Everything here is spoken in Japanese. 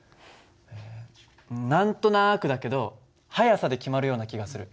えっ何となくだけど速さで決まるような気がする。